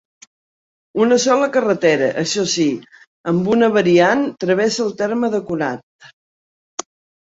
Una sola carretera, això sí, amb una variant, travessa el terme de Conat.